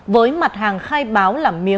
với mặt hàng khai báo làm miễu